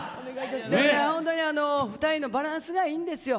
本当に２人のバランスがいいんですよ。